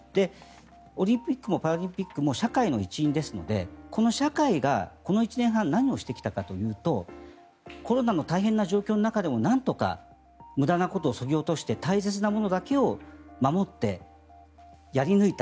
オリンピックもパラリンピックも社会の一員ですのでこの社会がこの１年半何をしてきたかというとコロナの大変な状況の中無駄なことをそぎ落として大切なものだけを守ってやり抜いた。